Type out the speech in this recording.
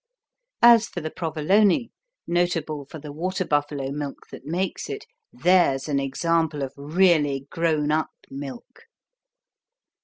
As for the Provolone, notable for the water buffalo milk that makes it, there's an example of really grown up milk.